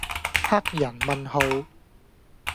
黑人問號